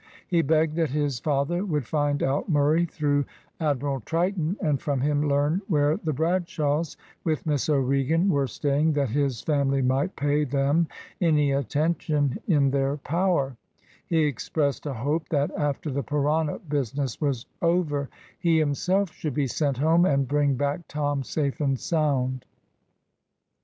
He begged that his father would find out Murray through Admiral Triton, and from him learn where the Bradshaws, with Miss O'Regan, were staying, that his family might pay them any attention in their power; he expressed a hope that, after the Parana business was over, he himself should be sent home, and bring back Tom safe and sound.